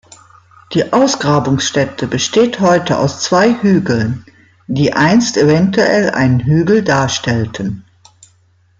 Die Ausgrabungsstätte besteht heute aus zwei Hügeln, die einst eventuell einen Hügel darstellten.